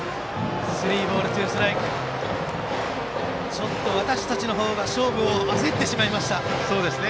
ちょっと私たちの方が勝負を焦ってしまいました。